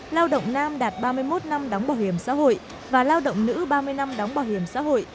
lao động nam đạt ba mươi một năm đóng bảo hiểm xã hội và lao động nữ ba mươi năm đóng bảo hiểm xã hội